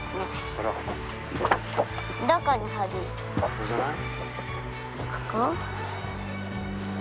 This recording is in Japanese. ここじゃない？